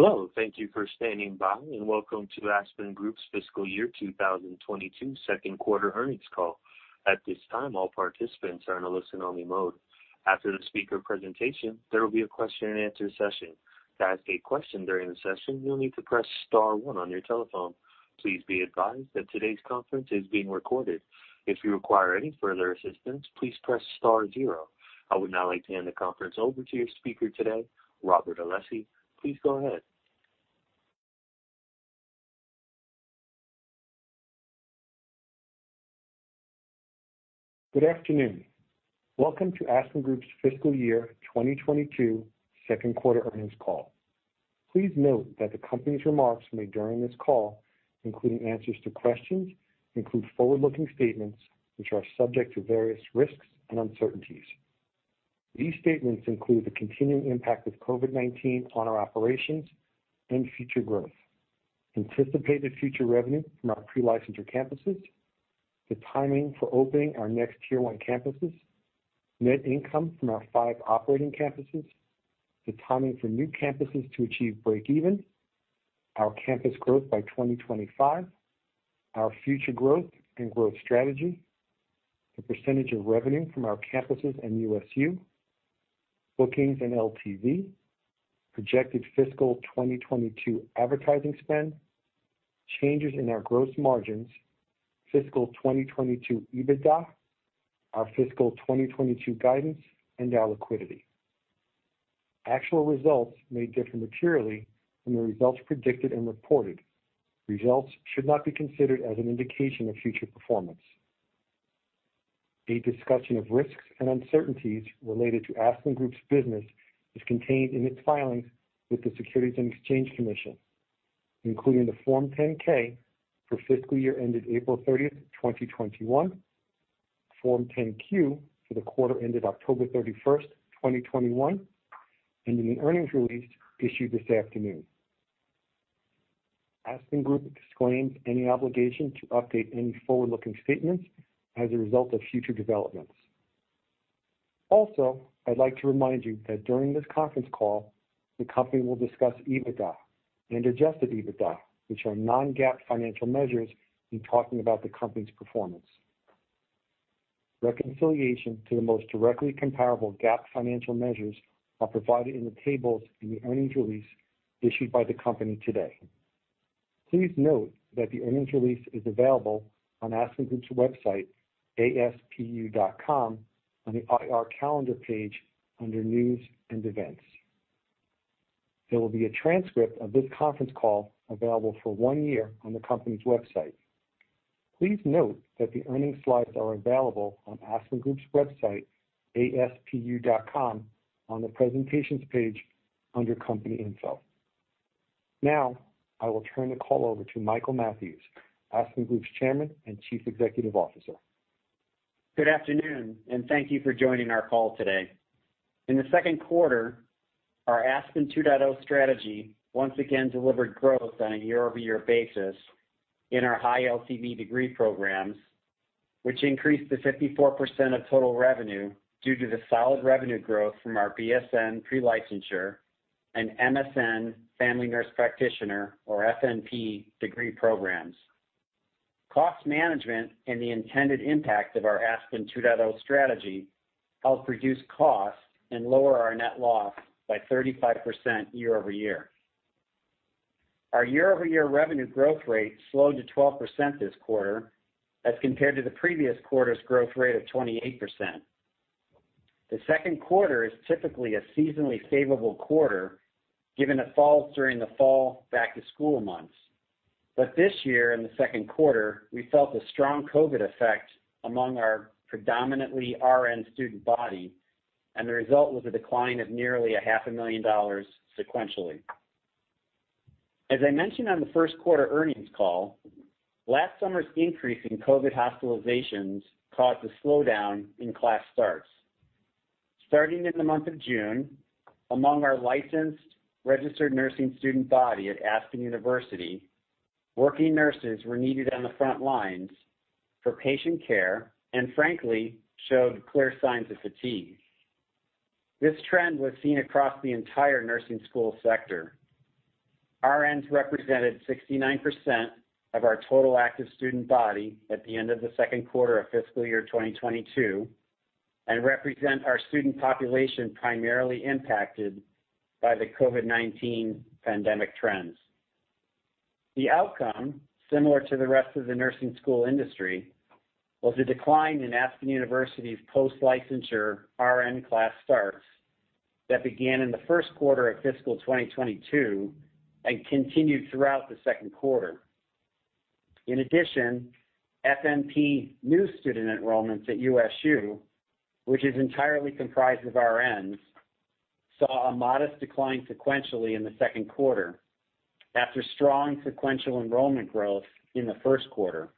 Hello, thank you for standing by, and welcome to Aspen Group's Fiscal Year 2022 second quarter earnings call. At this time, all participants are in a listen-only mode. After the speaker presentation, there will be a question-and-answer session. To ask a question during the session, you'll need to press star one on your telephone. Please be advised that today's conference is being recorded. If you require any further assistance, please press star zero. I would now like to hand the conference over to your speaker today, Robert Alessi. Please go ahead. Good afternoon. Welcome to Aspen Group's Fiscal Year 2022 second quarter earnings call. Please note that the company's remarks made during this call, including answers to questions, include forward-looking statements which are subject to various risks and uncertainties. These statements include the continuing impact of COVID-19 on our operations and future growth, anticipated future revenue from our pre-licensure campuses, the timing for opening our next Tier 1 campuses, net income from our five operating campuses, the timing for new campuses to achieve breakeven, our campus growth by 2025, our future growth and growth strategy, the percentage of revenue from our campuses and USU, bookings and LTV, projected fiscal 2022 advertising spend, changes in our gross margins, fiscal 2022 EBITDA, our fiscal 2022 guidance, and our liquidity. Actual results may differ materially from the results predicted and reported. Results should not be considered as an indication of future performance. A discussion of risks and uncertainties related to Aspen Group's business is contained in its filings with the Securities and Exchange Commission, including the Form 10-K for fiscal year ended April 30, 2021, Form 10-Q for the quarter ended October 31, 2021, and in the earnings release issued this afternoon. Aspen Group disclaims any obligation to update any forward-looking statements as a result of future developments. Also, I'd like to remind you that during this conference call, the company will discuss EBITDA and adjusted EBITDA, which are non-GAAP financial measures, in talking about the company's performance. Reconciliation to the most directly comparable GAAP financial measures are provided in the tables in the earnings release issued by the company today. Please note that the earnings release is available on Aspen Group's website, aspu.com, on the IR Calendar page under News & Events. There will be a transcript of this conference call available for one year on the company's website. Please note that the earnings slides are available on Aspen Group's website, aspu.com, on the Presentations page under Company Info. Now, I will turn the call over to Michael Mathews, Aspen Group's Chairman and Chief Executive Officer. Good afternoon, and thank you for joining our call today. In the second quarter, our Aspen 2.0 strategy once again delivered growth on a year-over-year basis in our high LTV degree programs, which increased to 54% of total revenue due to the solid revenue growth from our BSN pre-licensure and MSN family nurse practitioner or FNP degree programs. Cost management and the intended impact of our Aspen 2.0 strategy helped reduce costs and lower our net loss by 35% year over year. Our year-over-year revenue growth rate slowed to 12% this quarter as compared to the previous quarter's growth rate of 28%. The second quarter is typically a seasonally favorable quarter, given it falls during the fall back-to-school months. This year in the second quarter, we felt a strong COVID effect among our predominantly RN student body, and the result was a decline of nearly half a million dollars sequentially. As I mentioned on the first quarter earnings call, last summer's increase in COVID hospitalizations caused a slowdown in class starts. Starting in the month of June, among our licensed registered nursing student body at Aspen University, working nurses were needed on the front lines for patient care and frankly showed clear signs of fatigue. This trend was seen across the entire nursing school sector. RNs represented 69% of our total active student body at the end of the second quarter of fiscal year 2022, and represent our student population primarily impacted by the COVID-19 pandemic trends. The outcome, similar to the rest of the nursing school industry, was a decline in Aspen University's post-licensure RN class starts that began in the first quarter of fiscal 2022 and continued throughout the second quarter. In addition, FNP new student enrollments at USU, which is entirely comprised of RNs, saw a modest decline sequentially in the second quarter after strong sequential enrollment growth in the first quarter.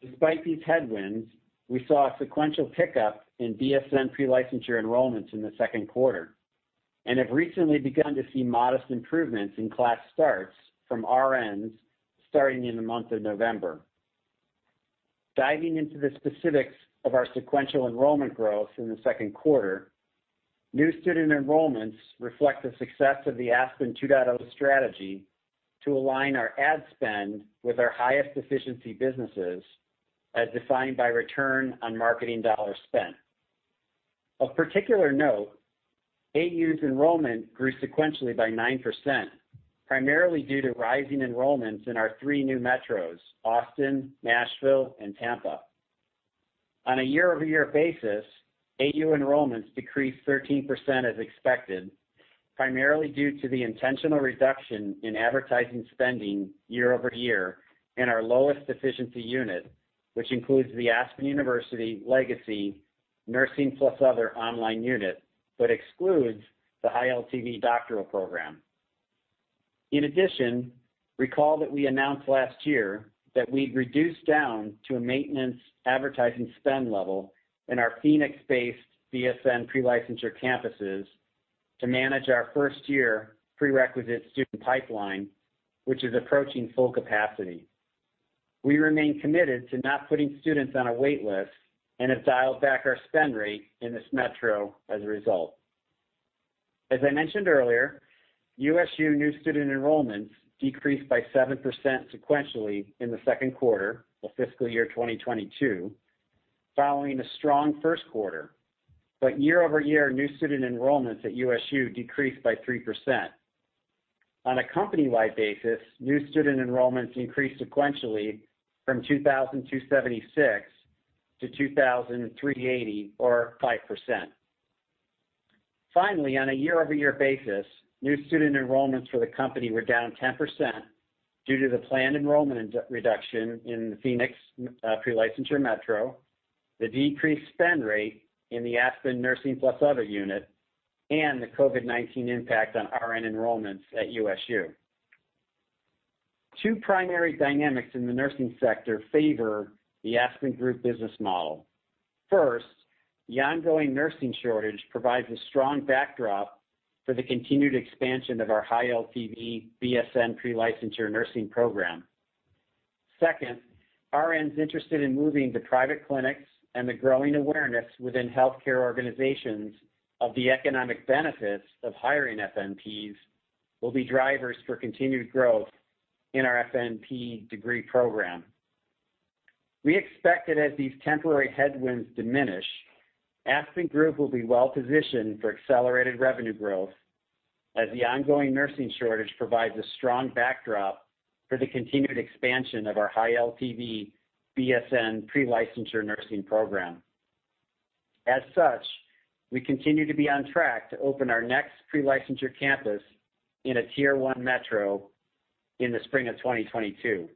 Despite these headwinds, we saw a sequential pickup in BSN pre-licensure enrollments in the second quarter and have recently begun to see modest improvements in class starts from RNs starting in the month of November. Diving into the specifics of our sequential enrollment growth in the second quarter, new student enrollments reflect the success of the Aspen 2.0 strategy to align our ad spend with our highest efficiency businesses, as defined by return on marketing dollars spent. Of particular note, AU's enrollment grew sequentially by 9%, primarily due to rising enrollments in our three new metros, Austin, Nashville, and Tampa. On a year-over-year basis, AU enrollments decreased 13% as expected, primarily due to the intentional reduction in advertising spending year-over-year in our lowest efficiency unit, which includes the Aspen University legacy Nursing + Other online unit, but excludes the high LTV doctoral program. In addition, recall that we announced last year that we'd reduce down to a maintenance advertising spend level in our Phoenix-based BSN pre-licensure campuses to manage our first-year prerequisite student pipeline, which is approaching full capacity. We remain committed to not putting students on a wait list and have dialed back our spend rate in this metro as a result. As I mentioned earlier, USU new student enrollments decreased by 7% sequentially in the second quarter of fiscal year 2022, following a strong first quarter. Year over year, new student enrollments at USU decreased by 3%. On a company-wide basis, new student enrollments increased sequentially from 2,076 to 2,380, or 5%. Finally, on a year-over-year basis, new student enrollments for the company were down 10% due to the planned enrollment re-reduction in the Phoenix pre-licensure metro, the decreased spend rate in the Aspen Nursing + Other unit, and the COVID-19 impact on RN enrollments at USU. Two primary dynamics in the nursing sector favor the Aspen Group business model. First, the ongoing nursing shortage provides a strong backdrop for the continued expansion of our high LTV BSN pre-licensure nursing program. Second, RNs interested in moving to private clinics and the growing awareness within healthcare organizations of the economic benefits of hiring FNPs will be drivers for continued growth in our FNP degree program. We expect that as these temporary headwinds diminish, Aspen Group will be well-positioned for accelerated revenue growth as the ongoing nursing shortage provides a strong backdrop for the continued expansion of our high LTV BSN pre-licensure nursing program. As such, we continue to be on track to open our next pre-licensure campus in a Tier 1 metro in the spring of 2022.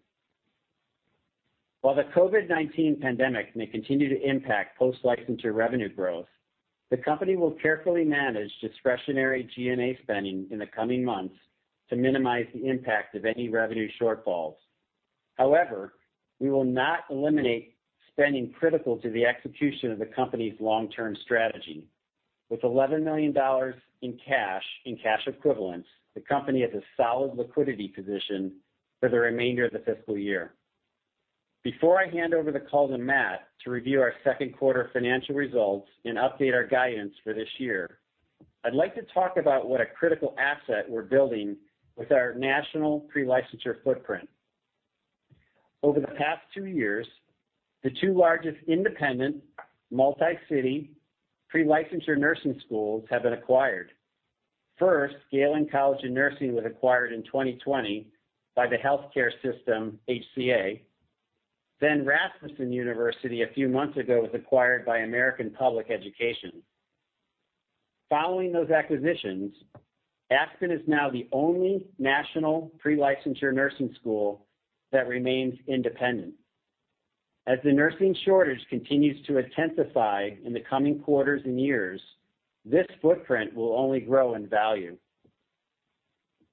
While the COVID-19 pandemic may continue to impact post-licensure revenue growth, the company will carefully manage discretionary G&A spending in the coming months to minimize the impact of any revenue shortfalls. However, we will not eliminate spending critical to the execution of the company's long-term strategy. With $11 million in cash, in cash equivalents, the company has a solid liquidity position for the remainder of the fiscal year. Before I hand over the call to Matt to review our second quarter financial results and update our guidance for this year, I'd like to talk about what a critical asset we're building with our national pre-licensure footprint. Over the past 2 years, the two largest independent multi-city pre-licensure nursing schools have been acquired. First, Galen College of Nursing was acquired in 2020 by the healthcare system HCA. Then Rasmussen University, a few months ago, was acquired by American Public Education. Following those acquisitions, Aspen is now the only national pre-licensure nursing school that remains independent. As the nursing shortage continues to intensify in the coming quarters and years, this footprint will only grow in value.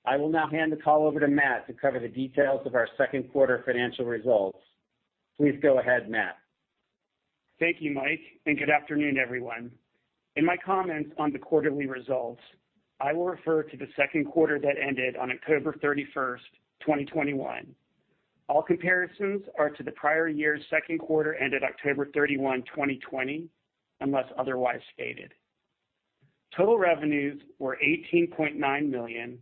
I will now hand the call over to Matt to cover the details of our second quarter financial results. Please go ahead, Matt. Thank you, Mike, and good afternoon, everyone. In my comments on the quarterly results, I will refer to the second quarter that ended on October 31, 2021. All comparisons are to the prior year's second quarter, ended October 31, 2020, unless otherwise stated. Total revenues were $18.9 million,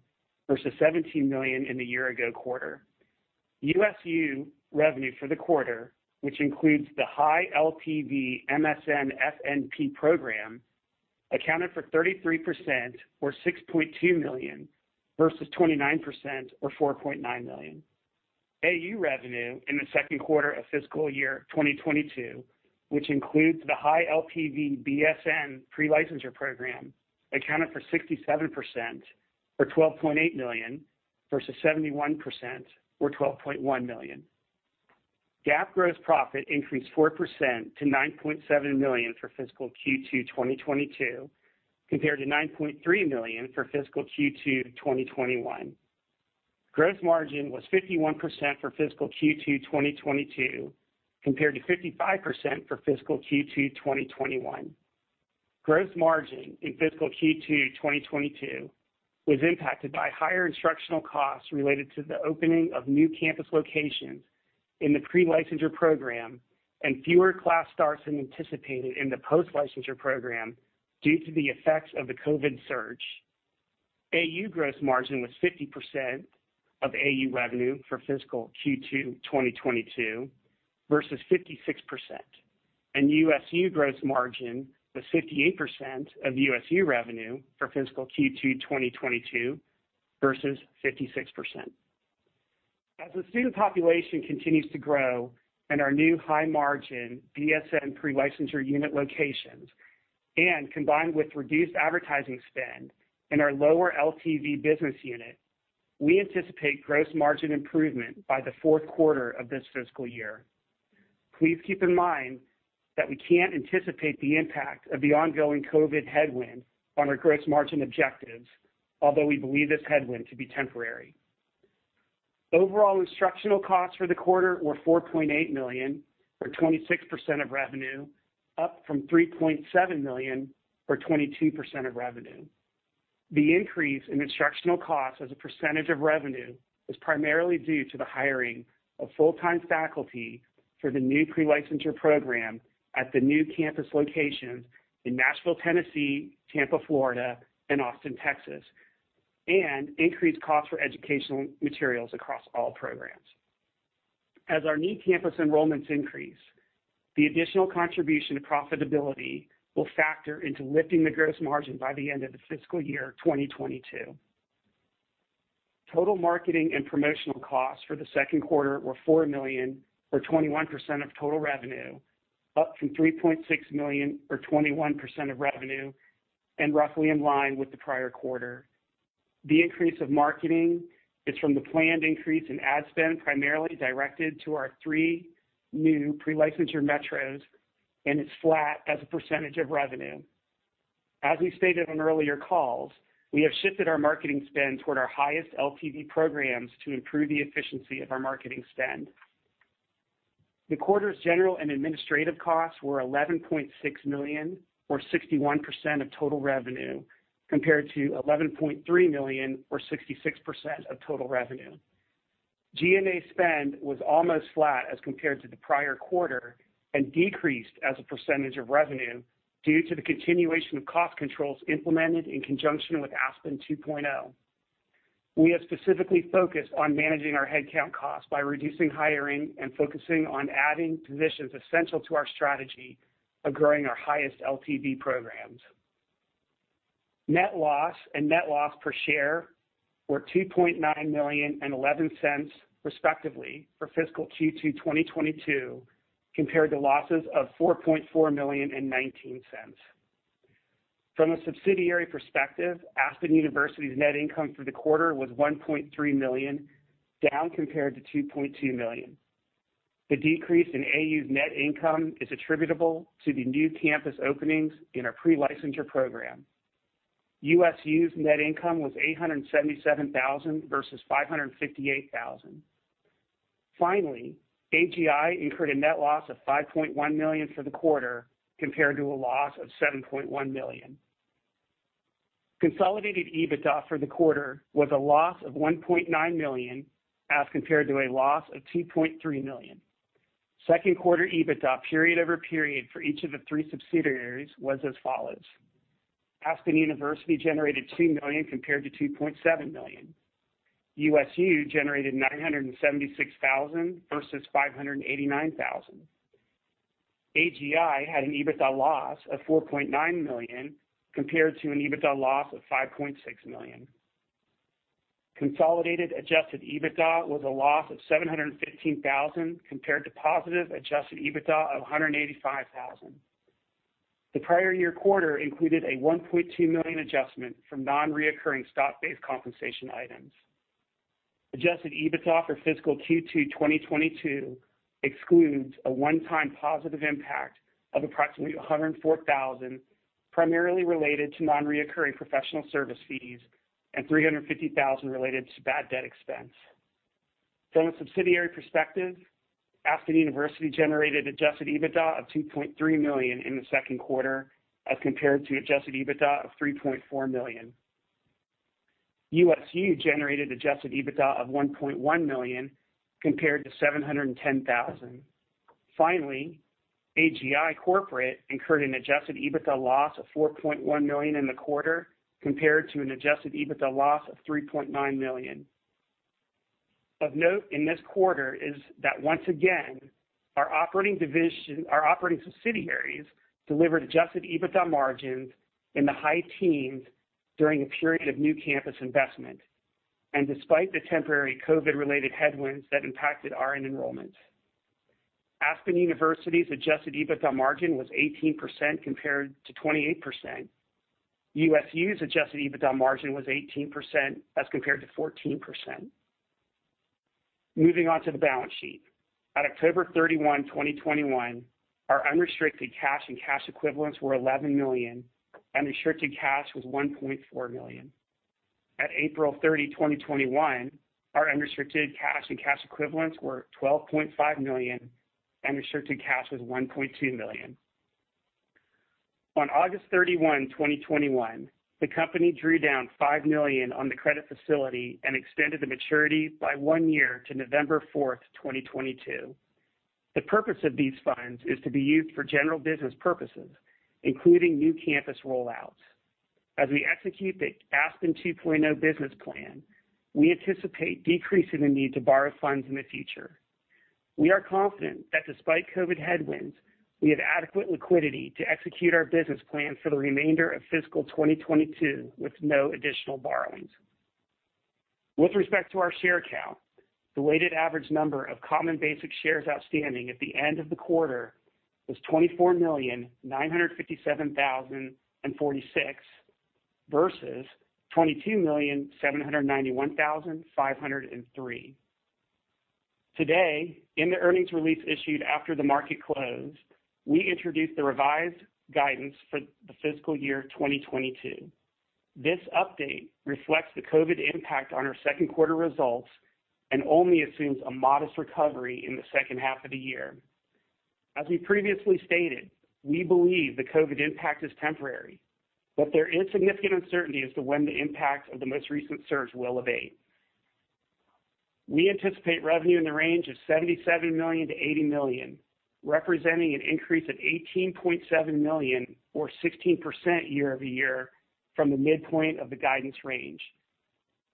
versus $17 million in the year ago quarter. USU revenue for the quarter, which includes the high LTV MSN-FNP program, accounted for 33% or $6.2 million, versus 29% or $4.9 million. AU revenue in the second quarter of fiscal year 2022, which includes the high LTV BSN pre-licensure program, accounted for 67% or $12.8 million, versus 71% or $12.1 million. GAAP gross profit increased 4% to $9.7 million for fiscal Q2 2022, compared to $9.3 million for fiscal Q2 2021. Gross margin was 51% for fiscal Q2 2022, compared to 55% for fiscal Q2 2021. Gross margin in fiscal Q2 2022 was impacted by higher instructional costs related to the opening of new campus locations in the pre-licensure program and fewer class starts than anticipated in the post-licensure program due to the effects of the COVID surge. AU gross margin was 50% of AU revenue for fiscal Q2 2022 versus 56%, and USU gross margin was 58% of USU revenue for fiscal Q2 2022 versus 56%. As the student population continues to grow and our new high margin BSN pre-licensure unit locations and combined with reduced advertising spend in our lower LTV business unit, we anticipate gross margin improvement by the fourth quarter of this fiscal year. Please keep in mind that we can't anticipate the impact of the ongoing COVID headwind on our gross margin objectives, although we believe this headwind to be temporary. Overall instructional costs for the quarter were $4.8 million, or 26% of revenue, up from $3.7 million, or 22% of revenue. The increase in instructional costs as a percentage of revenue was primarily due to the hiring of full-time faculty for the new pre-licensure program at the new campus locations in Nashville, Tennessee, Tampa, Florida, and Austin, Texas, and increased costs for educational materials across all programs. As our new campus enrollments increase, the additional contribution to profitability will factor into lifting the gross margin by the end of the fiscal year 2022. Total marketing and promotional costs for the second quarter were $4 million or 21% of total revenue, up from $3.6 million or 21% of revenue, and roughly in line with the prior quarter. The increase of marketing is from the planned increase in ad spend, primarily directed to our three new pre-licensure metros, and it's flat as a percentage of revenue. As we stated on earlier calls, we have shifted our marketing spend toward our highest LTV programs to improve the efficiency of our marketing spend. The quarter's general and administrative costs were $11.6 million, or 61% of total revenue, compared to $11.3 million, or 66% of total revenue. G&A spend was almost flat as compared to the prior quarter and decreased as a percentage of revenue due to the continuation of cost controls implemented in conjunction with Aspen 2.0. We have specifically focused on managing our headcount costs by reducing hiring and focusing on adding positions essential to our strategy of growing our highest LTV programs. Net loss and net loss per share were $2.9 million and $0.11, respectively, for fiscal Q2 2022, compared to losses of $4.4 million and $0.19. From a subsidiary perspective, Aspen University's net income for the quarter was $1.3 million, down compared to $2.2 million. The decrease in AU's net income is attributable to the new campus openings in our pre-licensure program. USU's net income was $877,000 versus $558,000. Finally, AGI incurred a net loss of $5.1 million for the quarter compared to a loss of $7.1 million. Consolidated EBITDA for the quarter was a loss of $1.9 million as compared to a loss of $2.3 million. Second quarter EBITDA period-over-period for each of the three subsidiaries was as follows. Aspen University generated $2 million compared to $2.7 million. USU generated $976,000 versus $589,000. AGI had an EBITDA loss of $4.9 million compared to an EBITDA loss of $5.6 million. Consolidated adjusted EBITDA was a loss of $715,000 compared to positive adjusted EBITDA of $185,000. The prior year quarter included a $1.2 million adjustment from non-reoccurring stock-based compensation items. Adjusted EBITDA for fiscal Q2 2022 excludes a one-time positive impact of approximately $104,000, primarily related to non-recurring professional service fees, and $350,000 related to bad debt expense. From a subsidiary perspective, Aspen University generated adjusted EBITDA of $2.3 million in the second quarter as compared to adjusted EBITDA of $3.4 million. USU generated adjusted EBITDA of $1.1 million compared to $710,000. Finally, AGI Corporate incurred an adjusted EBITDA loss of $4.1 million in the quarter compared to an adjusted EBITDA loss of $3.9 million. Of note in this quarter is that once again, our operating subsidiaries delivered adjusted EBITDA margins in the high teens during a period of new campus investment and despite the temporary COVID-related headwinds that impacted RN enrollments. Aspen University's adjusted EBITDA margin was 18% compared to 28%. USU's adjusted EBITDA margin was 18% as compared to 14%. Moving on to the balance sheet. At October 31, 2021, our unrestricted cash and cash equivalents were $11 million. Unrestricted cash was $1.4 million. At April 30, 2021, our unrestricted cash and cash equivalents were $12.5 million. Unrestricted cash was $1.2 million. On August 31, 2021, the company drew down $5 million on the credit facility and extended the maturity by one year to November 4, 2022. The purpose of these funds is to be used for general business purposes, including new campus rollouts. As we execute the Aspen 2.0 business plan, we anticipate decreasing the need to borrow funds in the future. We are confident that despite COVID headwinds, we have adequate liquidity to execute our business plan for the remainder of fiscal 2022 with no additional borrowings. With respect to our share count, the weighted average number of common basic shares outstanding at the end of the quarter was 24,957,046, versus 22,791,503. Today, in the earnings release issued after the market closed, we introduced the revised guidance for the fiscal year 2022. This update reflects the COVID impact on our second quarter results and only assumes a modest recovery in the second half of the year. We previously stated, we believe the COVID impact is temporary, but there is significant uncertainty as to when the impact of the most recent surge will abate. We anticipate revenue in the range of $77 million-$80 million, representing an increase of $18.7 million or 16% year-over-year from the midpoint of the guidance range.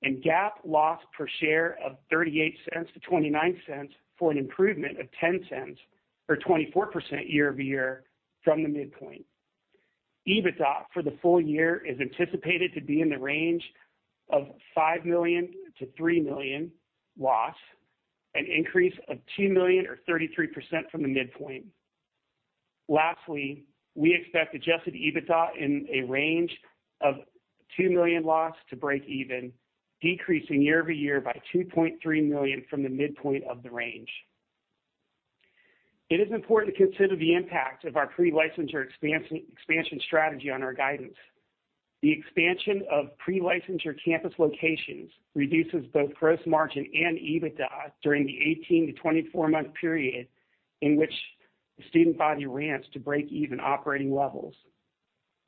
GAAP loss per share of $0.38-$0.29 for an improvement of 10 cents or 24% year-over-year from the midpoint. EBITDA for the full year is anticipated to be in the range of $5 million to $3 million loss, an increase of $2 million or 33% from the midpoint. Lastly, we expect adjusted EBITDA in a range of $2 million loss to break even, decreasing year-over-year by $2.3 million from the midpoint of the range. It is important to consider the impact of our pre-licensure expansion strategy on our guidance. The expansion of pre-licensure campus locations reduces both gross margin and EBITDA during the 18-24 month period in which the student body ramps to break-even operating levels.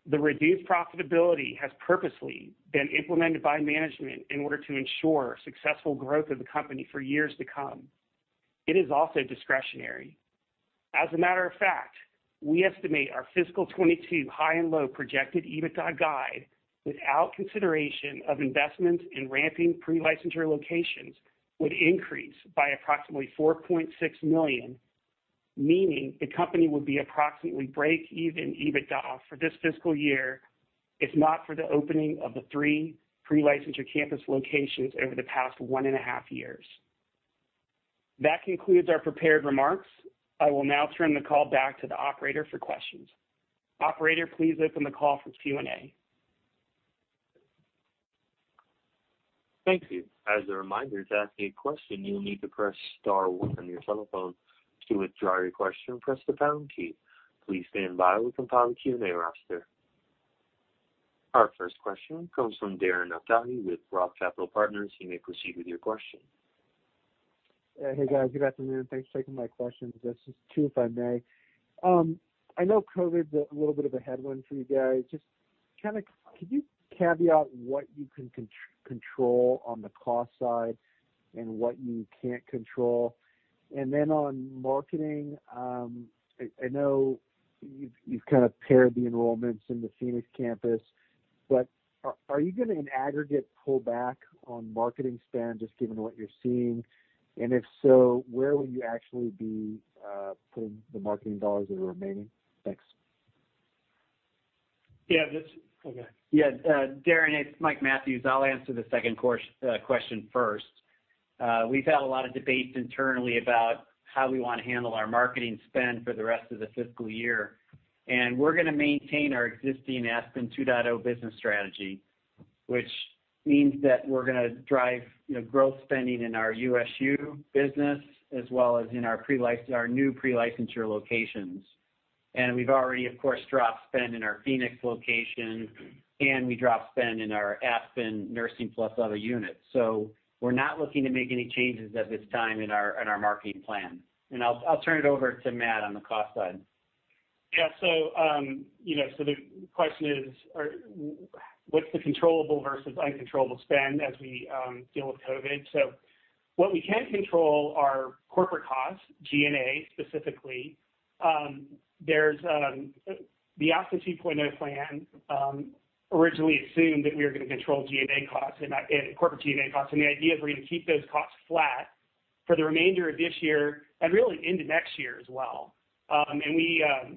The reduced profitability has purposely been implemented by management in order to ensure successful growth of the company for years to come. It is also discretionary. As a matter of fact, we estimate our fiscal 2022 high and low projected EBITDA guide without consideration of investments in ramping pre-licensure locations would increase by approximately $4.6 million, meaning the company would be approximately break-even EBITDA for this fiscal year if not for the opening of the 3 pre-licensure campus locations over the past 1.5 years. That concludes our prepared remarks. I will now turn the call back to the operator for questions. Operator, please open the call for Q&A. Thank you. As a reminder, to ask a question, you'll need to press star one on your telephone. To withdraw your question, press the pound key. Please stand by. We'll compile a Q&A roster. Our first question comes from Darren Aftahi with Roth Capital Partners. You may proceed with your question. Hey, guys. Good afternoon. Thanks for taking my questions. This is two, if I may. I know COVID's a little bit of a headwind for you guys. Just can you caveat what you can control on the cost side and what you can't control? Then on marketing, I know you've paired the enrollments in the Phoenix campus, but are you gonna in aggregate pull back on marketing spend just given what you're seeing? If so, where will you actually be putting the marketing dollars that are remaining? Thanks. Yeah, Darren, it's Mike Mathews. I'll answer the second question first. We've had a lot of debates internally about how we wanna handle our marketing spend for the rest of the fiscal year, and we're gonna maintain our existing Aspen 2.0 business strategy, which means that we're gonna drive, you know, growth spending in our USU business as well as in our new pre-licensure locations. We've already, of course, dropped spend in our Phoenix location, and we dropped spend in our Aspen Nursing + Other units. We're not looking to make any changes at this time in our marketing plan. I'll turn it over to Matt on the cost side. Yeah. You know, the question is, or what's the controllable versus uncontrollable spend as we deal with COVID? What we can control are corporate costs, G&A specifically. There's the Aspen 2.0 plan originally assumed that we were gonna control G&A costs and corporate G&A costs. The idea is we're gonna keep those costs flat for the remainder of this year and really into next year as well.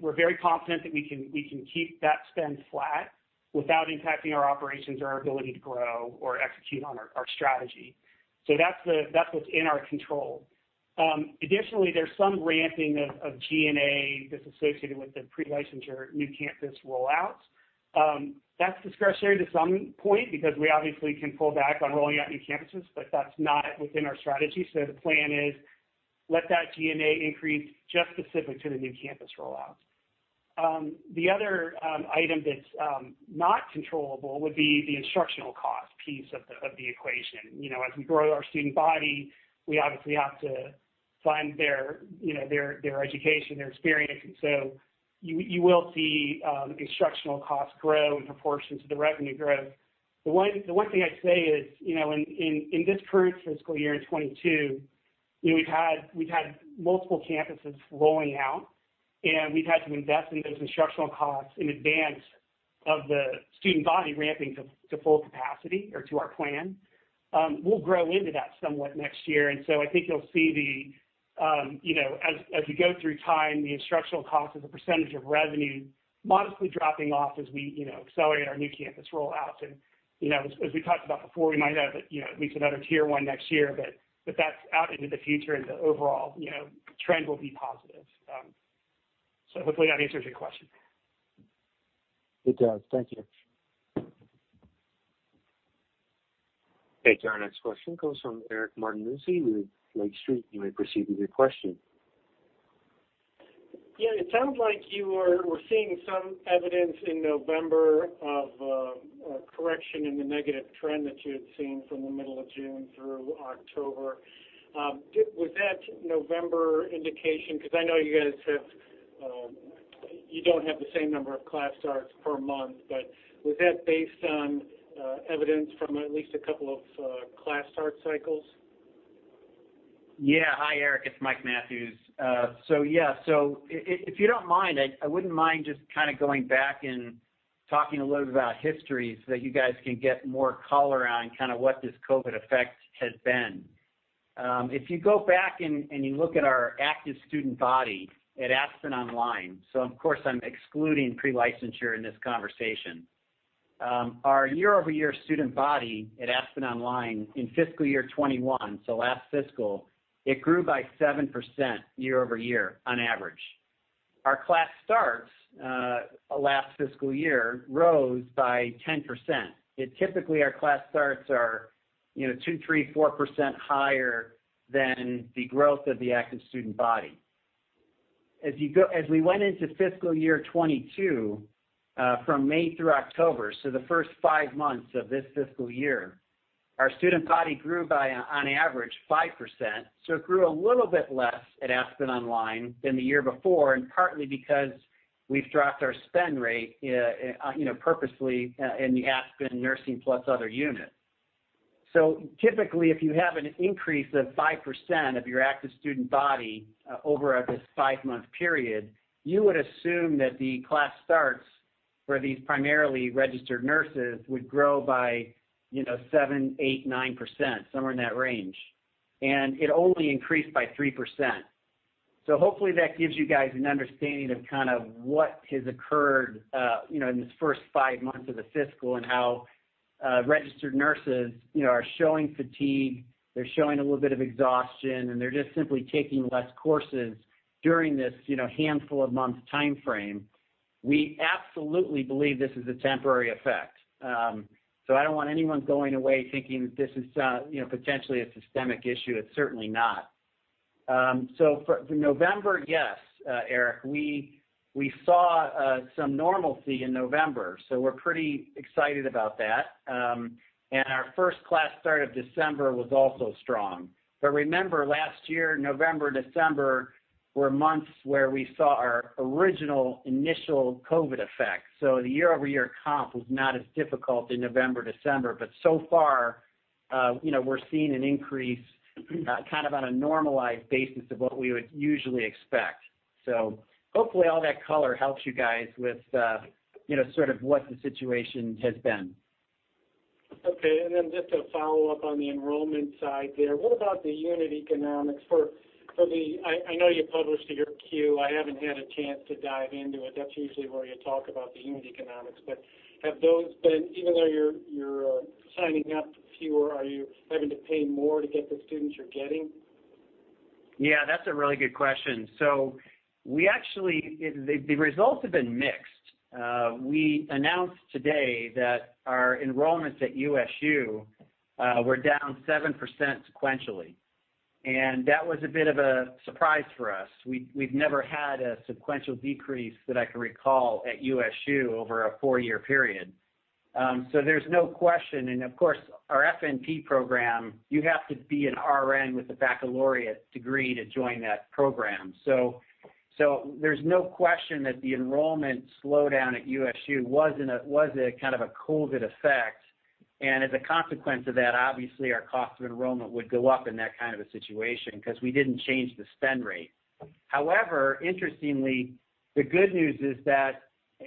We're very confident that we can keep that spend flat without impacting our operations or our ability to grow or execute on our strategy. That's what's in our control. Additionally, there's some ramping of G&A that's associated with the pre-licensure new campus rollouts. That's discretionary to some point because we obviously can pull back on rolling out new campuses, but that's not within our strategy. The plan is to let that G&A increase just specific to the new campus rollouts. The other item that's not controllable would be the instructional cost piece of the equation. You know, as we grow our student body, we obviously have to fund their education, their experience. You will see instructional costs grow in proportion to the revenue growth. The one thing I'd say is, you know, in this current fiscal year, in 2022, you know, we've had multiple campuses rolling out, and we've had to invest in those instructional costs in advance of the student body ramping to full capacity or to our plan. We'll grow into that somewhat next year. I think you'll see the you know, as you go through time, the instructional cost as a percentage of revenue modestly dropping off as we you know, accelerate our new campus rollouts. You know, as we talked about before, we might have you know, at least another Tier 1 next year, but that's out into the future, and the overall you know, trend will be positive. Hopefully that answers your question. It does. Thank you. Okay. Our next question comes from Eric Martinuzzi with Lake Street. You may proceed with your question. Yeah. It sounds like you were seeing some evidence in November of a correction in the negative trend that you had seen from the middle of June through October. Was that November indication? 'Cause I know you guys don't have the same number of class starts per month, but was that based on evidence from at least a couple of class start cycles? Yeah. Hi, Eric. It's Mike Matthews. If you don't mind, I wouldn't mind just kinda going back and talking a little bit about history so that you guys can get more color on kinda what this COVID effect has been. If you go back and you look at our active student body at Aspen University, so of course I'm excluding pre-licensure in this conversation, our year-over-year student body at Aspen University in fiscal year 2021, so last fiscal, it grew by 7% year-over-year on average. Our class starts, last fiscal year, rose by 10%. Typically, our class starts are, you know, 2%, 3%, 4% higher than the growth of the active student body. As we went into fiscal year 2022, from May through October, the first five months of this fiscal year, our student body grew by, on average, 5%. It grew a little bit less at Aspen University than the year before, and partly because we've dropped our spend rate, you know, purposely, in the Aspen Nursing + Other unit. Typically, if you have an increase of 5% of your active student body, over this five-month period, you would assume that the class starts for these primarily registered nurses would grow by, you know, 7%-9%, somewhere in that range, and it only increased by 3%. Hopefully, that gives you guys an understanding of kind of what has occurred, you know, in this first five months of the fiscal and how, registered nurses, you know, are showing fatigue, they're showing a little bit of exhaustion, and they're just simply taking less courses during this, you know, handful of months timeframe. We absolutely believe this is a temporary effect. I don't want anyone going away thinking that this is, you know, potentially a systemic issue. It's certainly not. For November, yes, Eric, we saw some normalcy in November, so we're pretty excited about that. Our first class start of December was also strong. Remember, last year, November, December were months where we saw our original, initial COVID effect. The year-over-year comp was not as difficult in November, December. So far, you know, we're seeing an increase, kind of on a normalized basis of what we would usually expect. Hopefully, all that color helps you guys with, you know, sort of what the situation has been. Okay. Just to follow up on the enrollment side there, what about the unit economics. I know you published your Q. I haven't had a chance to dive into it. That's usually where you talk about the unit economics. Have those been. Even though you're signing up fewer, are you having to pay more to get the students you're getting? Yeah, that's a really good question. The results have been mixed. We announced today that our enrollments at USU were down 7% sequentially, and that was a bit of a surprise for us. We've never had a sequential decrease that I can recall at USU over a four-year period. There's no question. Of course, our FNP program, you have to be an RN with a baccalaureate degree to join that program. There's no question that the enrollment slowdown at USU was a kind of a COVID effect. As a consequence of that, obviously our cost of enrollment would go up in that kind of a situation 'cause we didn't change the spend rate. However, interestingly, the good news is that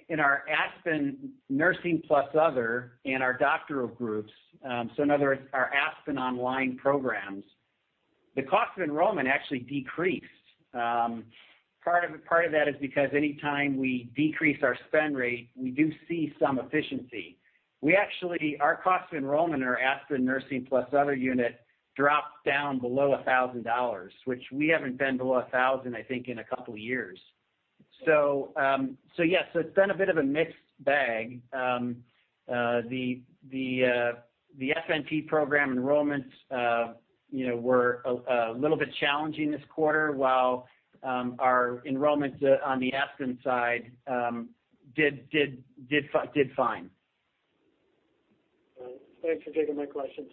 in our Aspen Nursing plus Other and our doctoral groups, so in other words, our Aspen University programs, the cost of enrollment actually decreased. Part of that is because any time we decrease our spend rate, we do see some efficiency. Our cost of enrollment in our Aspen Nursing plus Other unit dropped down below $1,000, which we haven't been below $1,000, I think, in a couple years. Yes, it's been a bit of a mixed bag. The FNP program enrollments, you know, were a little bit challenging this quarter while our enrollments on the Aspen side did fine. All right. Thanks for taking my questions.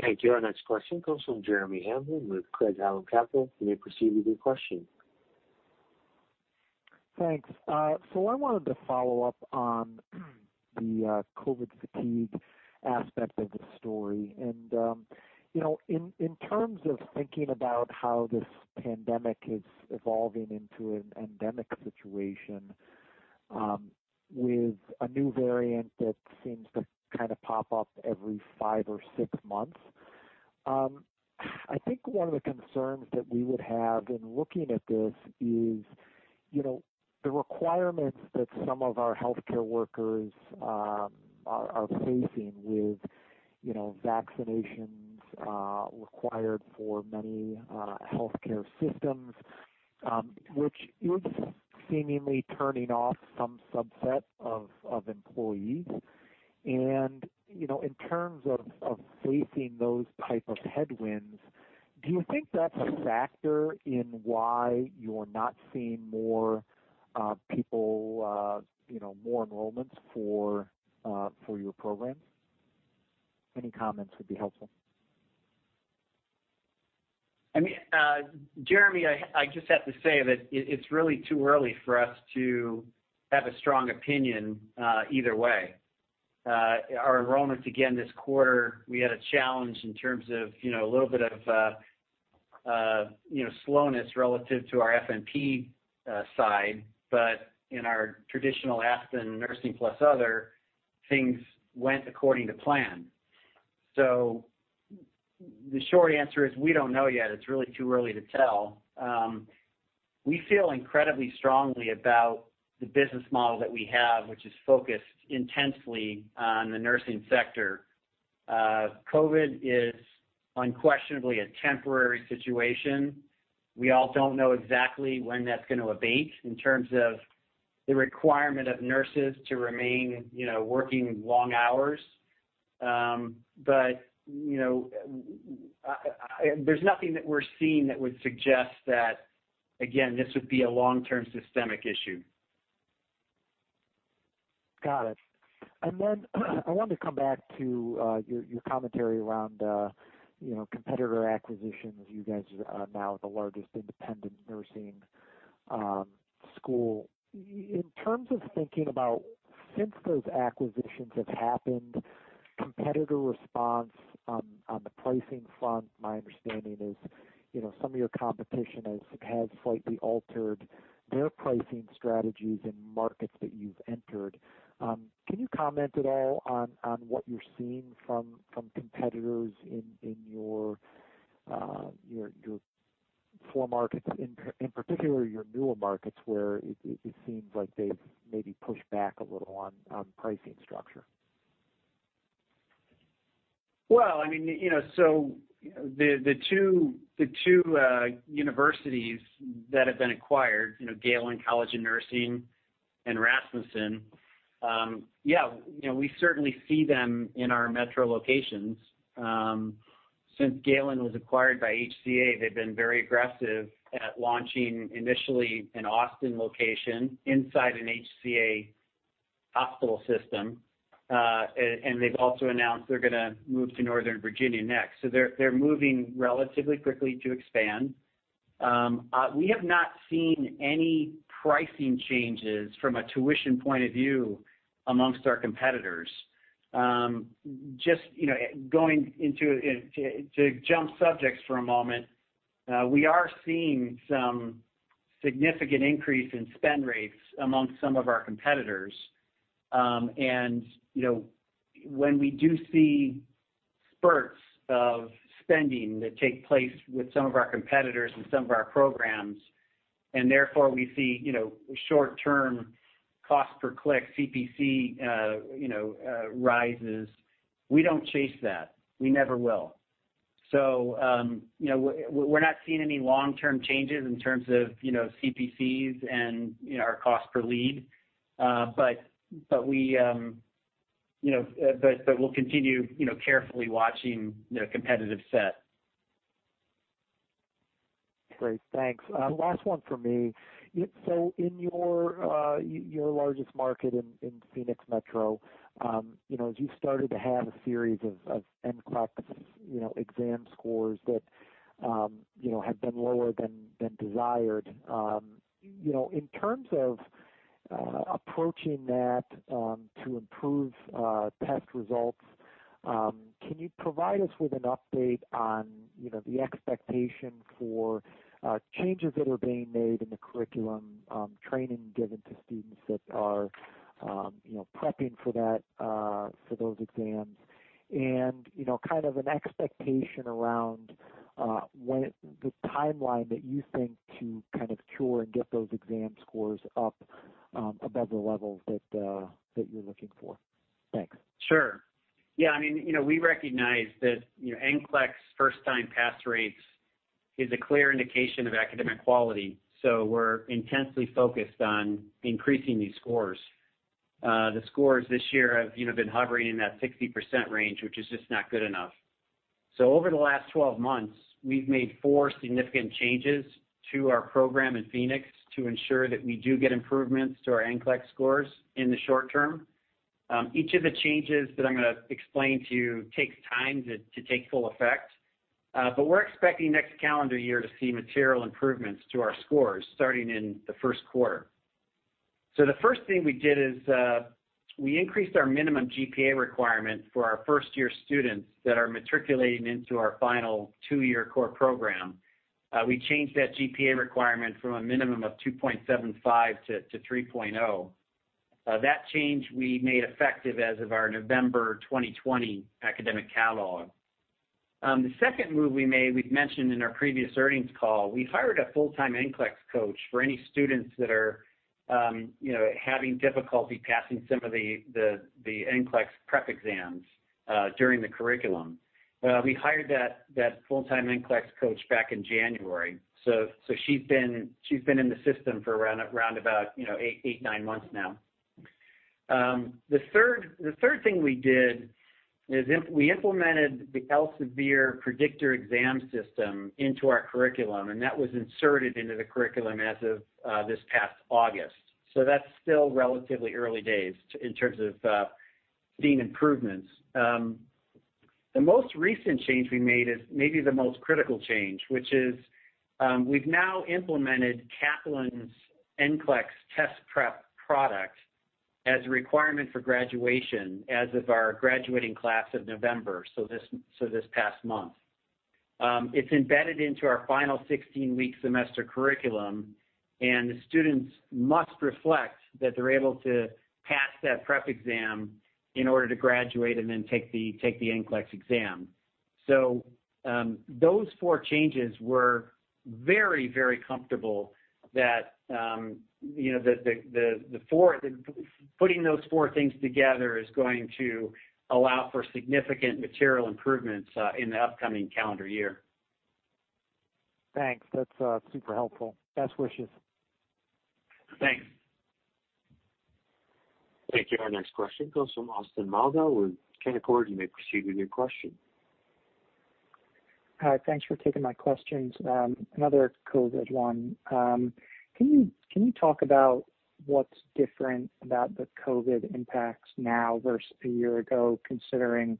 Thank you. Our next question comes from Jeremy Hamblin with Craig-Hallum Capital. You may proceed with your question. Thanks. So I wanted to follow up on the COVID fatigue aspect of the story. You know, in terms of thinking about how this pandemic is evolving into an endemic situation, with a new variant that seems to kind of pop up every five or six months, I think one of the concerns that we would have in looking at this is, you know, the requirements that some of our healthcare workers are facing with, you know, vaccinations required for many healthcare systems, which is seemingly turning off some subset of employees. You know, in terms of facing those type of headwinds, do you think that's a factor in why you're not seeing more people, you know, more enrollments for your programs? Any comments would be helpful. I mean, Jeremy, I just have to say that it's really too early for us to have a strong opinion, either way. Our enrollments, again, this quarter, we had a challenge in terms of, you know, a little bit of, you know, slowness relative to our FNP side. But in our traditional Aspen Nursing + Other, things went according to plan. The short answer is we don't know yet. It's really too early to tell. We feel incredibly strongly about the business model that we have, which is focused intensely on the nursing sector. COVID is unquestionably a temporary situation. We all don't know exactly when that's gonna abate in terms of the requirement of nurses to remain, you know, working long hours. You know, there's nothing that we're seeing that would suggest that, again, this would be a long-term systemic issue. Got it. Then I wanted to come back to your commentary around you know, competitor acquisitions. You guys are now the largest independent nursing school. In terms of thinking about since those acquisitions have happened, competitor response on the pricing front, my understanding is, you know, some of your competition has slightly altered their pricing strategies in markets that you've entered. Can you comment at all on what you're seeing from competitors in your core markets, in particular, your newer markets, where it seems like they've maybe pushed back a little on pricing structure? Well, I mean, you know, the two universities that have been acquired, you know, Galen College of Nursing and Rasmussen, yeah, you know, we certainly see them in our metro locations. Since Galen was acquired by HCA, they've been very aggressive at launching initially an Austin location inside an HCA hospital system. And they've also announced they're gonna move to Northern Virginia next. So they're moving relatively quickly to expand. We have not seen any pricing changes from a tuition point of view amongst our competitors. Just, you know, going in to jump subjects for a moment, we are seeing some significant increase in spend rates amongst some of our competitors. You know, when we do see spurts of spending that take place with some of our competitors in some of our programs, and therefore we see you know, short-term cost per click, CPC, rises, we don't chase that. We never will. You know, we're not seeing any long-term changes in terms of you know, CPCs and you know, our cost per lead. But we'll continue you know, carefully watching you know, competitive set. Great. Thanks. Last one for me. In your largest market in Phoenix metro, you know, as you started to have a series of NCLEX, you know, exam scores that, you know, have been lower than desired, you know, in terms of approaching that to improve test results, can you provide us with an update on, you know, the expectation for changes that are being made in the curriculum, training given to students that are, you know, prepping for those exams? You know, kind of an expectation around when the timeline that you think to kind of cure and get those exam scores up above the level that you're looking for. Thanks. Sure. Yeah, I mean, you know, we recognize that, you know, NCLEX first-time pass rates is a clear indication of academic quality, so we're intensely focused on increasing these scores. The scores this year have, you know, been hovering in that 60% range, which is just not good enough. Over the last 12 months, we've made four significant changes to our program in Phoenix to ensure that we do get improvements to our NCLEX scores in the short term. Each of the changes that I'm gonna explain to you takes time to take full effect, but we're expecting next calendar year to see material improvements to our scores starting in the first quarter. The first thing we did is we increased our minimum GPA requirement for our first-year students that are matriculating into our final two-year core program. We changed that GPA requirement from a minimum of 2.75 to 3.0. That change we made effective as of our November 2020 academic catalog. The second move we made, we've mentioned in our previous earnings call, we hired a full-time NCLEX coach for any students that are, you know, having difficulty passing some of the NCLEX prep exams during the curriculum. We hired that full-time NCLEX coach back in January. She's been in the system for around about, you know, eight, nine months now. The third thing we did is we implemented the Elsevier Predictor exam system into our curriculum, and that was inserted into the curriculum as of this past August. That's still relatively early days in terms of seeing improvements. The most recent change we made is maybe the most critical change, which is, we've now implemented Kaplan's NCLEX test prep product as a requirement for graduation as of our graduating class of November, so this past month. It's embedded into our final 16-week semester curriculum, and the students must reflect that they're able to pass that prep exam in order to graduate and then take the NCLEX exam. Those four changes we're very, very comfortable that, you know, putting those four things together is going to allow for significant material improvements in the upcoming calendar year. Thanks. That's super helpful. Best wishes. Thanks. Thank you. Our next question comes from Austin Moldow with Canaccord. You may proceed with your question. Hi. Thanks for taking my questions. Another COVID one. Can you talk about what's different about the COVID impacts now versus a year ago, considering,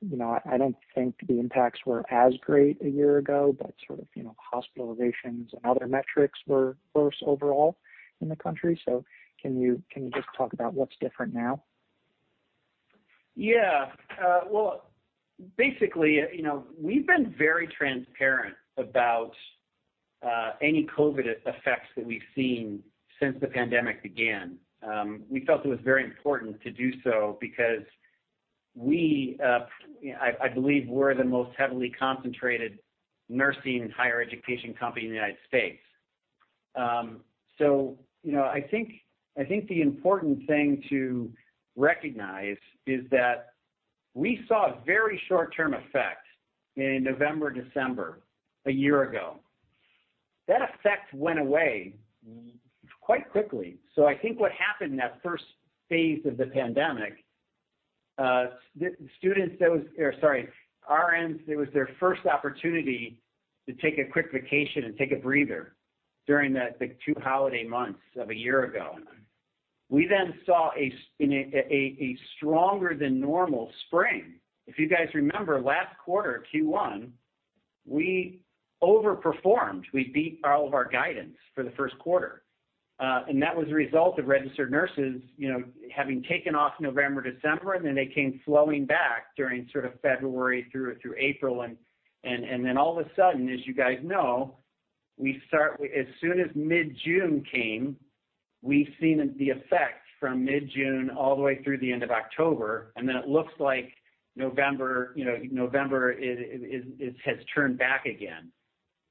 you know, I don't think the impacts were as great a year ago, but sort of, you know, hospitalizations and other metrics were worse overall in the country. Can you just talk about what's different now? Yeah. Well, basically, you know, we've been very transparent about any COVID effects that we've seen since the pandemic began. We felt it was very important to do so because we, I believe we're the most heavily concentrated nursing higher education company in the United States. You know, I think the important thing to recognize is that we saw a very short-term effect in November, December a year ago. That effect went away quite quickly. I think what happened in that first phase of the pandemic, sorry, RNs, it was their first opportunity to take a quick vacation and take a breather during that, the two holiday months of a year ago. We then saw a stronger than normal spring. If you guys remember, last quarter, Q1, we overperformed. We beat all of our guidance for the first quarter. That was a result of registered nurses, you know, having taken off November, December, and then they came flowing back during sort of February through April. All of a sudden, as you guys know, as soon as mid-June came, we've seen the effect from mid-June all the way through the end of October, and then it looks like November, you know, November has turned back again.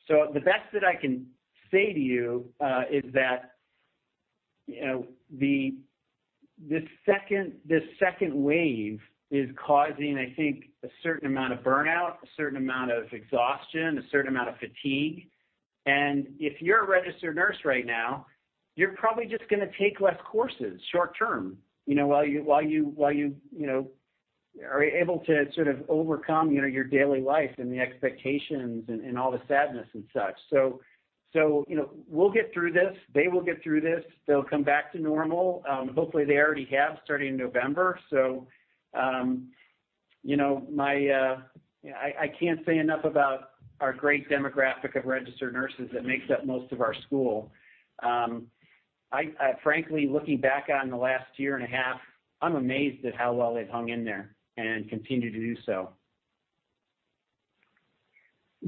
The best that I can say to you is that, you know, the second wave is causing, I think, a certain amount of burnout, a certain amount of exhaustion, a certain amount of fatigue. If you're a registered nurse right now, you're probably just gonna take less courses short term, you know, while you are able to sort of overcome, you know, your daily life and the expectations and all the sadness and such. You know, we'll get through this. They will get through this. They'll come back to normal. Hopefully, they already have starting November. You know, I can't say enough about our great demographic of registered nurses that makes up most of our school. I frankly, looking back on the last year and a half, I'm amazed at how well they've hung in there and continue to do so.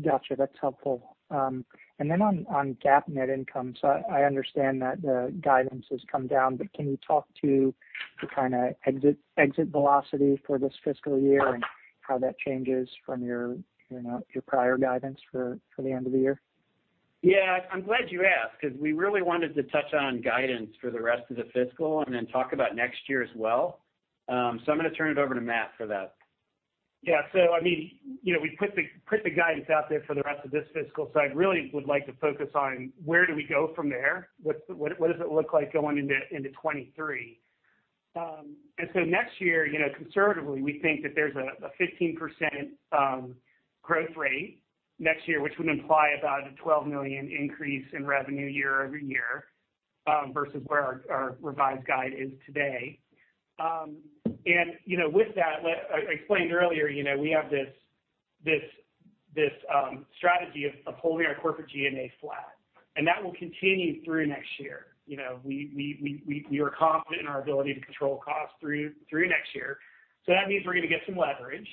Gotcha. That's helpful. On GAAP net income, so I understand that the guidance has come down, but can you talk to the kinda exit velocity for this fiscal year and how that changes from your prior guidance for the end of the year? Yeah, I'm glad you asked, because we really wanted to touch on guidance for the rest of the fiscal and then talk about next year as well. I'm gonna turn it over to Matt for that. Yeah. I mean, you know, we put the guidance out there for the rest of this fiscal, so I really would like to focus on where do we go from there? What does it look like going into 2023? Next year, you know, conservatively, we think that there's a 15% growth rate next year, which would imply about a $12 million increase in revenue year-over-year versus where our revised guide is today. You know, with that, I explained earlier, you know, we have this strategy of holding our corporate G&A flat, and that will continue through next year. You know, we are confident in our ability to control costs through next year. That means we're gonna get some leverage.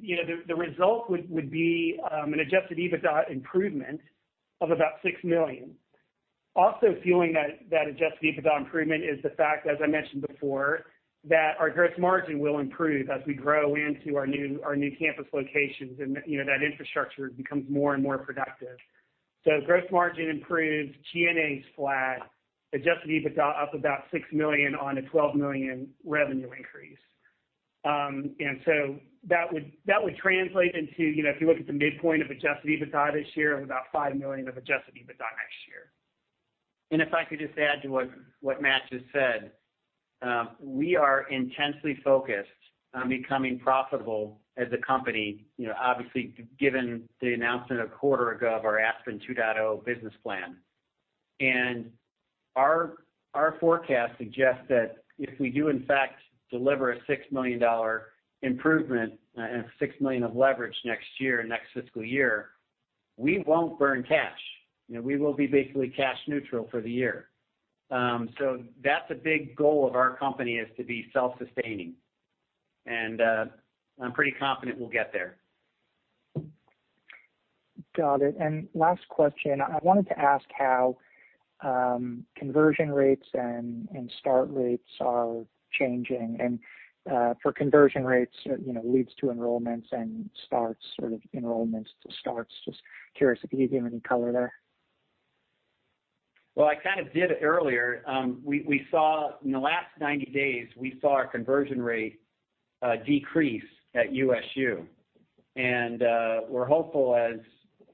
You know, the result would be an adjusted EBITDA improvement of about $6 million. Also fueling that adjusted EBITDA improvement is the fact, as I mentioned before, that our gross margin will improve as we grow into our new campus locations and, you know, that infrastructure becomes more and more productive. Gross margin improves, G&A's flat, adjusted EBITDA up about $6 million on a $12 million revenue increase. That would translate into, you know, if you look at the midpoint of adjusted EBITDA this year of about $5 million of adjusted EBITDA next year. If I could just add to what Matt just said, we are intensely focused on becoming profitable as a company, you know, obviously given the announcement a quarter ago of our Aspen 2.0 business plan. Our forecast suggests that if we do in fact deliver a $6 million improvement, $6 million of leverage next year, next fiscal year, we won't burn cash. You know, we will be basically cash neutral for the year. That's a big goal of our company is to be self-sustaining, and I'm pretty confident we'll get there. Got it. Last question, I wanted to ask how conversion rates and start rates are changing. For conversion rates, you know, leads to enrollments and starts, sort of enrollments to starts. Just curious if you could give any color there. Well, I kind of did earlier. In the last 90 days, we saw our conversion rate decrease at USU. We're hopeful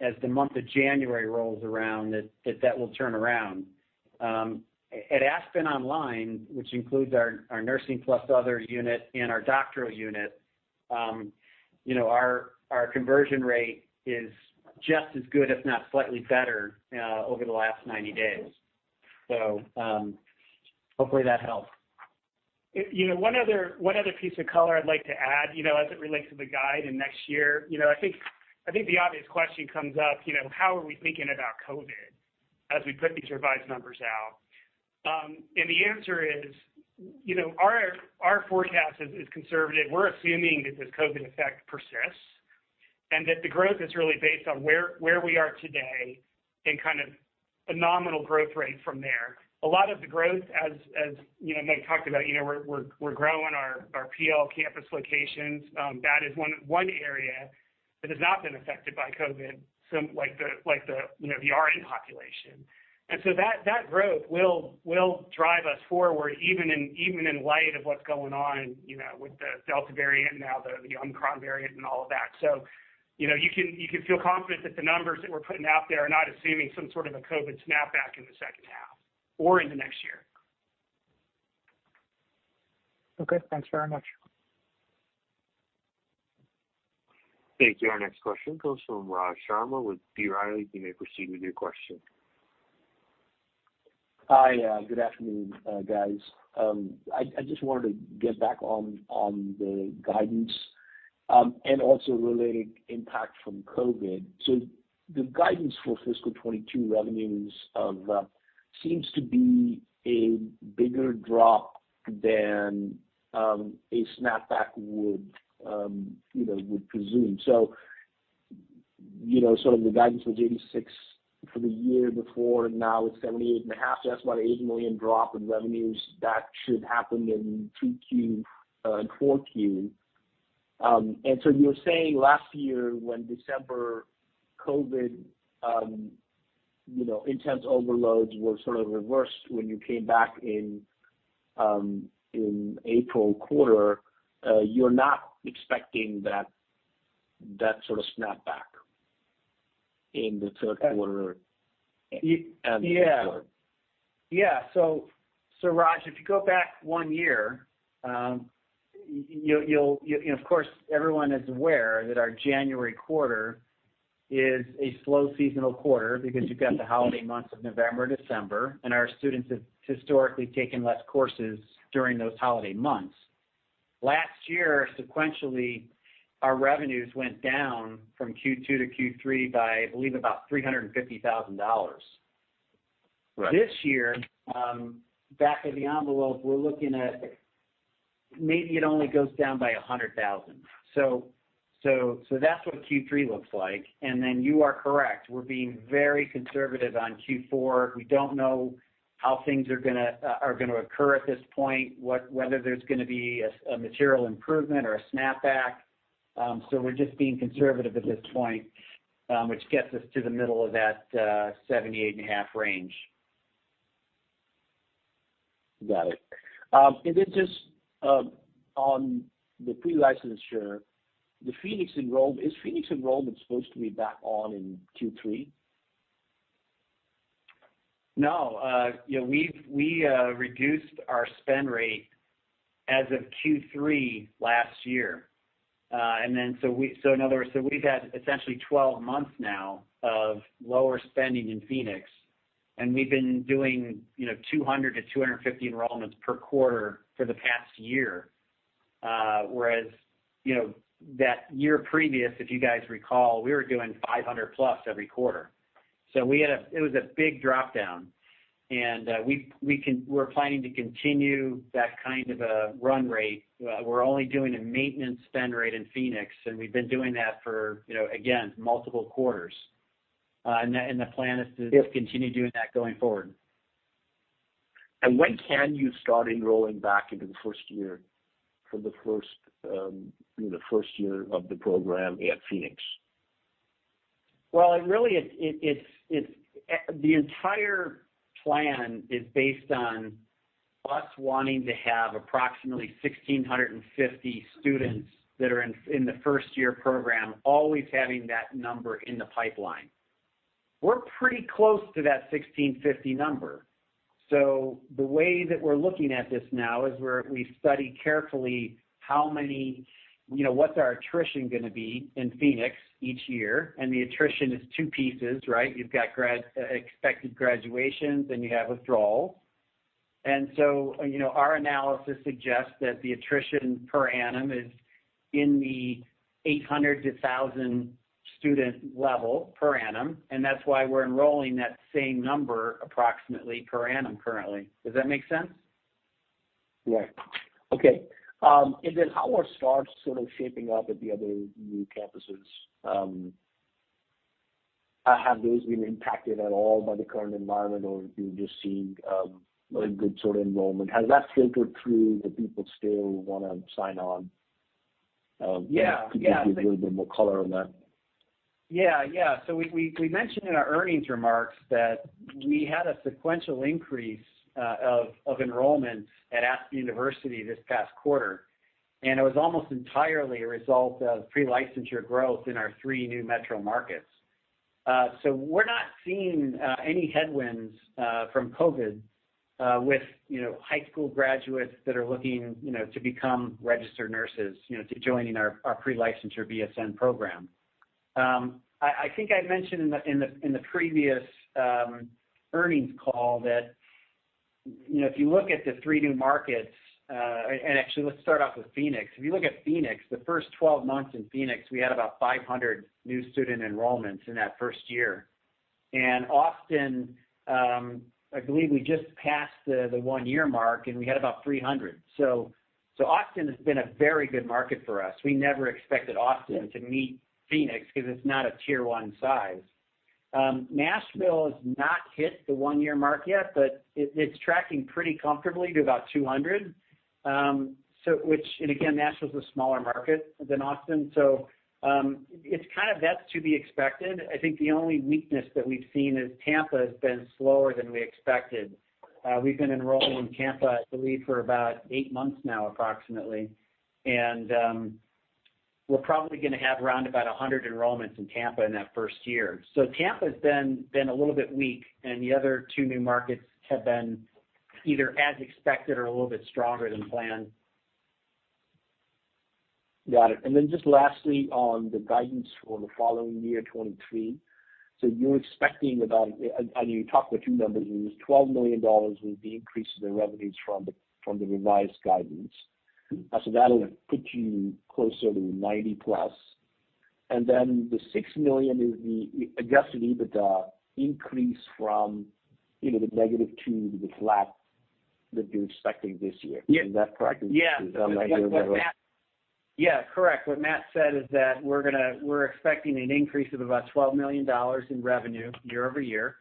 as the month of January rolls around that will turn around. At Aspen University, which includes our Nursing + Other unit and our doctoral unit, you know, our conversion rate is just as good, if not slightly better, over the last 90 days. Hopefully that helps. You know, one other piece of color I'd like to add, you know, as it relates to the guide and next year. You know, I think the obvious question comes up, you know, how are we thinking about COVID as we put these revised numbers out? The answer is, you know, our forecast is conservative. We're assuming that this COVID effect persists, and that the growth is really based on where we are today and kind of a nominal growth rate from there. A lot of the growth as you know, Mike talked about, you know, we're growing our PL campus locations, that is one area that has not been affected by COVID, like the population. That growth will drive us forward, even in light of what's going on, you know, with the Delta variant, now the Omicron variant and all of that. You know, you can feel confident that the numbers that we're putting out there are not assuming some sort of a COVID snapback in the second half or into next year. Okay, thanks very much. Thank you. Our next question comes from Raj Sharma with B. Riley. You may proceed with your question. Hi. Good afternoon, guys. I just wanted to get back on the guidance and also related impact from COVID. The guidance for FY 2022 revenues seems to be a bigger drop than a snapback would, you know, presume. The guidance was $86 million for the year before, now it's $78.5 million. That's about an $8 million drop in revenues that should happen in 3Q and 4Q. You're saying last year when December COVID intense overloads were sort of reversed when you came back in the April quarter, you're not expecting that sort of snapback in the third quarter and going forward. Yeah. Yeah. Raj, if you go back one year, of course, everyone is aware that our January quarter is a slow seasonal quarter because you've got the holiday months of November, December, and our students have historically taken less courses during those holiday months. Last year, sequentially, our revenues went down from Q2 to Q3 by, I believe, about $350,000. Right. This year, back of the envelope, we're looking at maybe it only goes down by 100,000. That's what Q3 looks like. Then you are correct, we're being very conservative on Q4. We don't know how things are gonna occur at this point, whether there's gonna be a material improvement or a snapback. We're just being conservative at this point, which gets us to the middle of that 78.5 range. Got it. Just on the pre-licensure, is Phoenix enrollment supposed to be back on in Q3? No. You know, we've reduced our spend rate as of Q3 last year. In other words, we've had essentially 12 months now of lower spending in Phoenix, and we've been doing, you know, 200-250 enrollments per quarter for the past year. Whereas, you know, that year previous, if you guys recall, we were doing 500+ every quarter. It was a big dropdown, and we can—we're planning to continue that kind of a run rate. We're only doing a maintenance spend rate in Phoenix, and we've been doing that for, you know, again, multiple quarters. The plan is to- Yes Continue doing that going forward. When can you start enrolling back into the first year of the program at Phoenix? Well, it's the entire plan is based on us wanting to have approximately 1,650 students that are in the first-year program, always having that number in the pipeline. We're pretty close to that 1,650 number. The way that we're looking at this now is we study carefully how many, you know, what's our attrition gonna be in Phoenix each year, and the attrition is two pieces, right? You've got expected graduations, and you have withdrawals. You know, our analysis suggests that the attrition per annum is in the 800-1,000 student level per annum, and that's why we're enrolling that same number approximately per annum currently. Does that make sense? Yeah. Okay. How are starts sort of shaping up at the other new campuses? Have those been impacted at all by the current environment, or you're just seeing really good sort of enrollment? Has that filtered through that people still wanna sign on? Yeah. Yeah. Could you give me a little bit more color on that? We mentioned in our earnings remarks that we had a sequential increase of enrollment at Aspen University this past quarter, and it was almost entirely a result of pre-licensure growth in our three new metro markets. We're not seeing any headwinds from COVID with you know high school graduates that are looking you know to become registered nurses you know to joining our pre-licensure BSN program. I think I mentioned in the previous earnings call that you know if you look at the three new markets. Actually, let's start off with Phoenix. If you look at Phoenix, the first 12 months in Phoenix, we had about 500 new student enrollments in that first year. Austin, I believe we just passed the one-year mark, and we had about 300. So Austin has been a very good market for us. We never expected Austin to meet Phoenix 'cause it's not a Tier 1 size. Nashville has not hit the one-year mark yet, but it's tracking pretty comfortably to about 200, and again, Nashville's a smaller market than Austin. It's kind of that to be expected. I think the only weakness that we've seen is Tampa has been slower than we expected. We've been enrolling in Tampa, I believe, for about eight months now, approximately. We're probably gonna have around 100 enrollments in Tampa in that first year. Tampa's been a little bit weak, and the other two new markets have been either as expected or a little bit stronger than planned. Got it. Then just lastly, on the guidance for the following year 2023, so you're expecting about. You talked about two numbers. You used $12 million would be increase to the revenues from the revised guidance. Mm-hmm. That'll put you closer to 90+. Then the $6 million is the adjusted EBITDA increase from, you know, the negative $2 million to the flat that you're expecting this year. Yeah. Is that correct? Yeah. Am I hearing that right? Yeah. Correct. What Matt said is that we're expecting an increase of about $12 million in revenue year-over-year,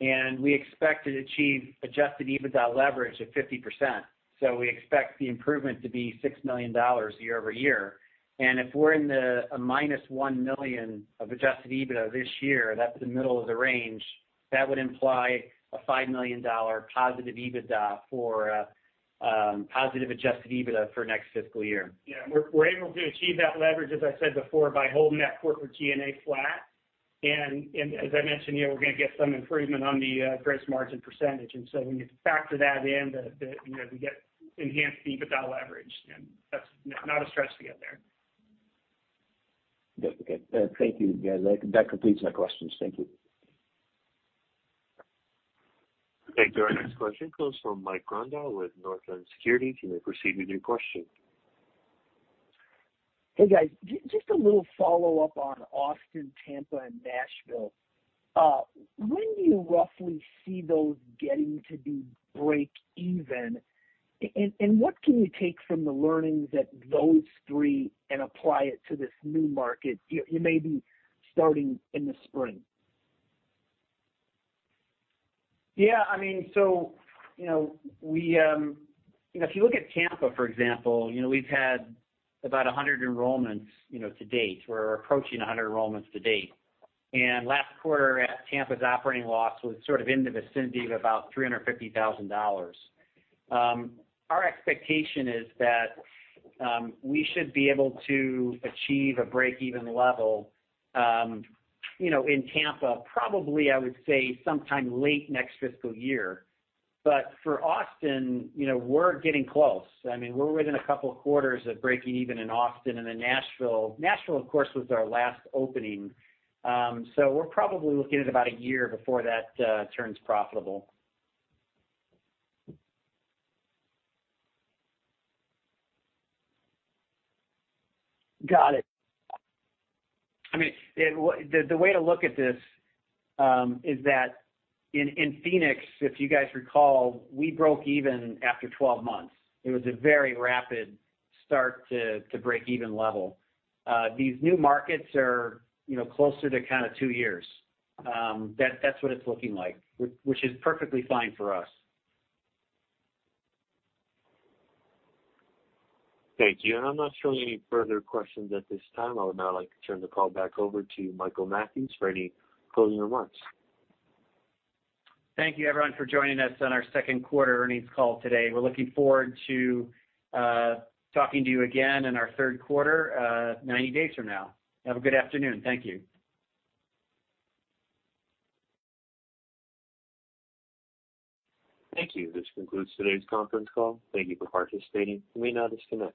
and we expect to achieve adjusted EBITDA leverage of 50%. We expect the improvement to be $6 million year-over-year. If we're in the -$1 million of adjusted EBITDA this year, that's the middle of the range, that would imply a $5 million positive EBITDA for positive adjusted EBITDA for next fiscal year. Yeah. We're able to achieve that leverage, as I said before, by holding that corporate G&A flat. As I mentioned, you know, we're gonna get some improvement on the gross margin percentage. When you factor that in, you know, we get enhanced EBITDA leverage, and that's not a stretch to get there. Good. Okay. Thank you, guys. That completes my questions. Thank you. Thank you. Our next question comes from Mike Grondahl with Northland Securities. You may proceed with your question. Hey, guys. Just a little follow-up on Austin, Tampa, and Nashville. When do you roughly see those getting to be breakeven, and what can you take from the learnings at those three and apply it to this new market you may be starting in the spring? Yeah. I mean, you know, we, you know, if you look at Tampa, for example, you know, we've had about 100 enrollments, you know, to date. We're approaching 100 enrollments to date. Last quarter at Tampa's operating loss was sort of in the vicinity of about $350,000. Our expectation is that, we should be able to achieve a break-even level, you know, in Tampa, probably, I would say, sometime late next fiscal year. For Austin, you know, we're getting close. I mean, we're within a couple of quarters of breaking even in Austin. Nashville, of course, was our last opening. We're probably looking at about a year before that turns profitable. Got it. I mean, the way to look at this is that in Phoenix, if you guys recall, we broke even after 12 months. It was a very rapid start to break-even level. These new markets are, you know, closer to kinda 2 years. That's what it's looking like, which is perfectly fine for us. Thank you. I'm not showing any further questions at this time. I would now like to turn the call back over to Michael Mathews for any closing remarks. Thank you, everyone, for joining us on our second quarter earnings call today. We're looking forward to talking to you again in our third quarter, 90 days from now. Have a good afternoon. Thank you. Thank you. This concludes today's conference call. Thank you for participating. You may now disconnect.